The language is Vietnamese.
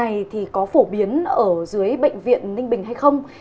này thì có phổ biến ở dưới bệnh viện ninh bình hay không